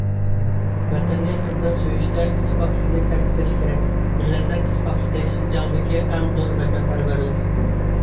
ۋەتەننى قىزغىن سۆيۈشتە ئىتتىپاقلىقنى تەكىتلەش كېرەك، مىللەتلەر ئىتتىپاقلىقى شىنجاڭدىكى ئەڭ زور ۋەتەنپەرۋەرلىك.